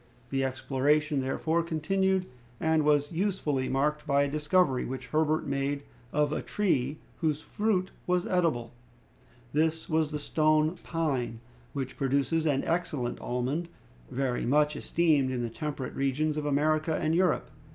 The exploration, therefore, continued, and was usefully marked by a discovery which Herbert made of a tree whose fruit was edible. This was the stone pine, which produces an excellent almond, very much esteemed in the temperate regions of America and Europe.